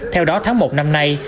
theo đó tháng một năm nay